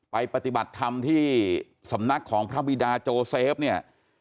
ปฏิบัติธรรมที่สำนักของพระบิดาโจเซฟเนี่ย